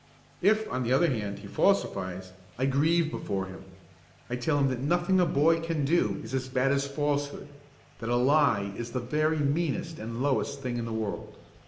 If, on the other hand, he falsifies, I grieve before him. I tell him that nothing that a boy can do is as bad as a falsehood: that a lie is the very meanest and lowest thing in the world.